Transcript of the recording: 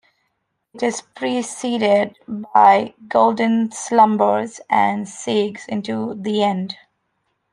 It is preceded by "Golden Slumbers", and segues into "The End".